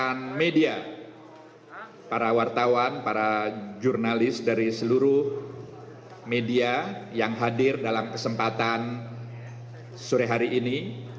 dan media para wartawan para jurnalis dari seluruh media yang hadir dalam kesempatan sore hari ini